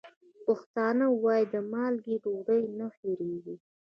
پښتانه وايي: د مالګې ډوډۍ نه هېرېږي.